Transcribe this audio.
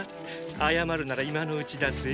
謝るなら今のうちだぜ？